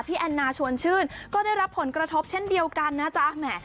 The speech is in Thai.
แอนนาชวนชื่นก็ได้รับผลกระทบเช่นเดียวกันนะจ๊ะแหม